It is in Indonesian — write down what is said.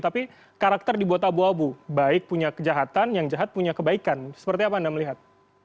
tapi karakter dibuat abu abu baik punya kejahatan yang jahat punya kebaikan seperti apa anda melihat